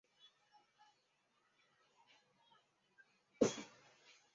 地理位置最好的竞争者之一是地处西北的太原留守唐国公李渊。